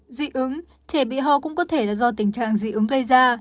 dị ứng trẻ bị ho cũng có thể là do tình trạng dị ứng gây ra